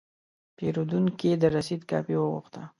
پیرودونکی د رسید کاپي وغوښته.